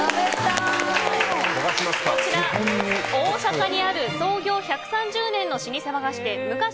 こちら、大阪にある創業１３０年の老舗和菓子店むか